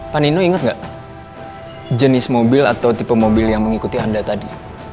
panino inget gak jenis mobil atau tipe mobil yang mengikuti anda tadi